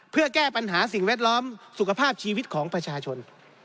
เพื่อแก้ปัญหาสิ่งแวดล้อมสุขภาพชีวิตของประชาชน